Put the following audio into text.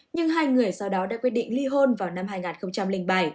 nhưng hai người sau đó đã quyết định ly hôn vào năm hai nghìn bảy